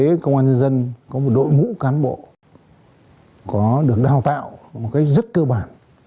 y tế công an nhân dân có một đội ngũ cán bộ có được đào tạo một cách rất cơ bản